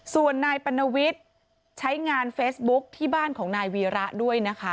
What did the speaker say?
ส่วนนายปัณวิทย์ใช้งานเฟซบุ๊คที่บ้านของนายวีระด้วยนะคะ